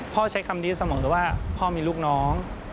ใช้คำนี้เสมอเลยว่าพ่อมีลูกน้อง